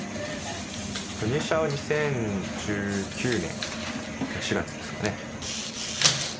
入社は２０１９年の４月ですかね。